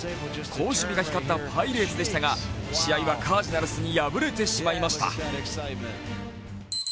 好守備が光ったパイレーツでしたが試合はカージナルスに敗れてしまいました。